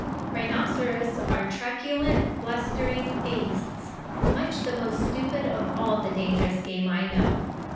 Rhinoceros are truculent, blustering beasts, much the most stupid of all the dangerous game I know.